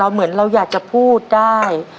เหมือนเราอยากจะพูดได้